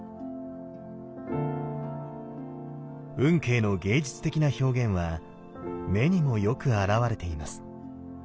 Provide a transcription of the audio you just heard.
運慶の芸術的な表現は目にもよく表れています。